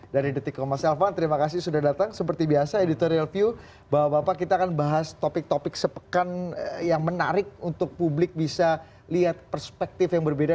dari detik com mas elvan terima kasih sudah datang seperti biasa editorial view bahwa bapak kita akan bahas topik topik sepekan yang menarik untuk publik bisa lihat perspektif yang berbeda